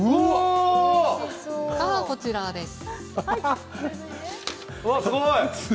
こちらです。